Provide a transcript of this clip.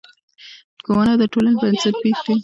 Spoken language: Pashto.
ښوونه د ټولنې بنسټ ټینګوي او راتلونکی نسل سم لوري ته بیايي.